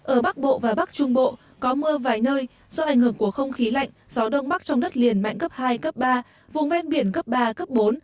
ở bắc bộ và bắc trung bộ có mưa vài nơi do ảnh hưởng của không khí lạnh gió đông bắc trong đất liền mạnh cấp hai cấp ba vùng ven biển cấp ba cấp bốn